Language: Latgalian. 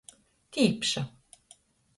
Tīpša.